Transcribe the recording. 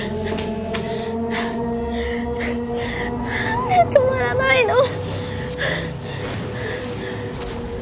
何で止まらないの？